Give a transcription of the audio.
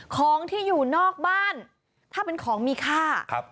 ของที่อยู่นอกบ้านถ้าเป็นของมีค่า